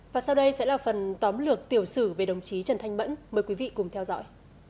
và sau đây sẽ là phần tóm lược tiểu sử về đồng chí trần thanh mẫn mời quý vị cùng theo dõi